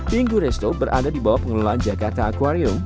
minggu resto berada di bawah pengelolaan jakarta aquarium